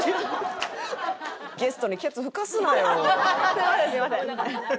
すみませんすみません。